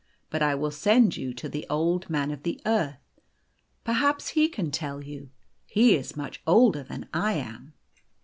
But I will send you to the Old Man of the Earth. Perhaps he can tell you. He is much older than I am."